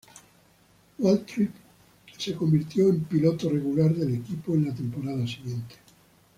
Waltrip se convirtió en piloto regular del equipo en la temporada siguiente.